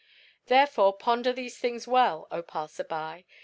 "Therefore ponder these things well, O passer by.